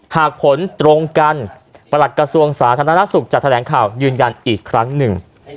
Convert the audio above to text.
หากผลตรงกันประหลัดกระทรวงสาธารณสุขจะแถลงข่าวยืนยันอีกครั้งหนึ่ง